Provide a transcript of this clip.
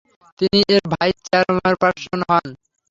তিনি এর vice chairperson হন।